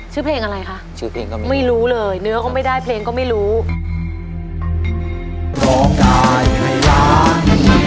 ชื่อเพลงอะไรคะชื่อเพลงก็ไม่รู้ไม่รู้เลยเนื้อก็ไม่ได้เพลงก็ไม่รู้